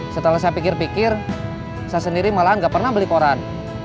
setelah saya pikir pikir saya sendiri malah nggak pernah beli koran